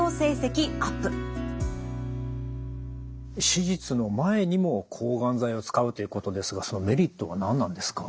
手術の前にも抗がん剤を使うということですがそのメリットは何なんですか？